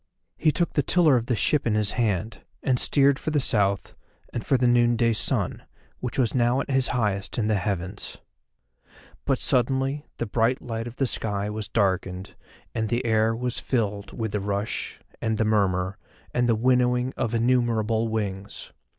He took the tiller of the ship in his hand, and steered for the South and for the noonday sun, which was now at his highest in the heavens. But suddenly the bright light of the sky was darkened and the air was filled with the rush, and the murmur, and the winnowing of innumerable wings.